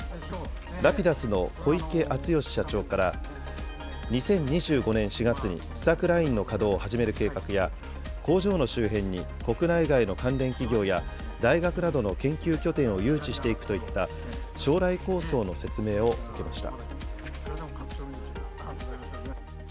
Ｒａｐｉｄｕｓの小池淳義社長から、２０２５年４月に試作ラインの稼働を始める計画や、工場の周辺に国内外の関連企業や大学などの研究拠点を誘致していくといった将来構想の説明を受けました。